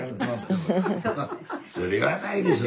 それはないでしょ